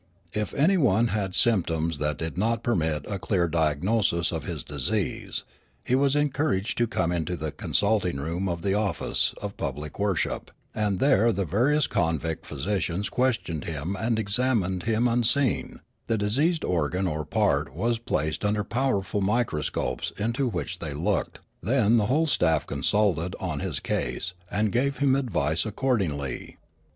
If anyone had symptoms that did not permit of a clear diagnosis of his disease, he was en couraged to come into the consulting room of the office of public worship, and there the various convict physi cians questioned him and examined him unseen ; the diseased organ or part was placed under powerful microscopes into which they looked ; then the whole staff consulted on his case and gave him advice accord ingly.